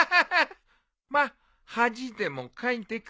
まっ恥でもかいてくるんだな。